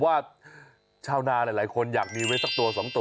ว่าชาวนาหลายคนอยากมีไว้สักตัว๒ตัว